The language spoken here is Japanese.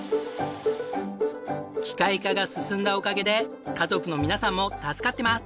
機械化が進んだおかげで家族の皆さんも助かってます！